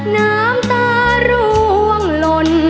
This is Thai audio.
น้ำตาร่วงหล่น